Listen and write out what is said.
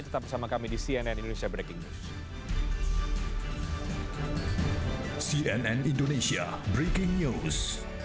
tetap bersama kami di cnn indonesia breaking news